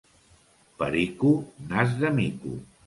Perico, nas de mico.